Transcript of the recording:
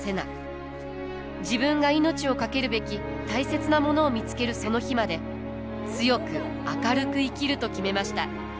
自分が命を懸けるべき大切なものを見つけるその日まで強く明るく生きると決めました。